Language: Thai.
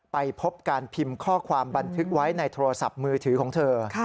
ไปพบการพิมพ์ข้อความบันทึกไว้ในโทรศัพท์มือถือของเธอ